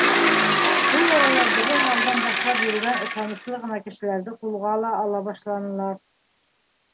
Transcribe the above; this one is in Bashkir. Шул арала беҙҙең алдан башлап йөрөгән ышаныслы ғына кешеләрҙе ҡулға ла ала башланылар.